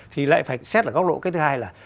thì lại phải xét ở góc độ cái thứ hai là